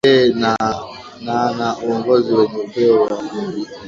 ee na na na uongozi wenye upeo wa kuweza